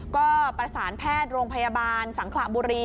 ก็ประสานแพทย์โรงพยาบาลสังขระบุรี